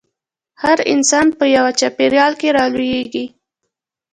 هر انسان په يوه چاپېريال کې رالويېږي.